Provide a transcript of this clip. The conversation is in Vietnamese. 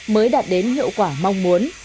mới đạt đến hiệu quả mong muốn